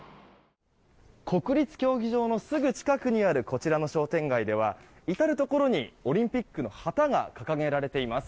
国立競技場のすぐ近くにあるこちらの商店街では至るところにオリンピックの旗が掲げられています。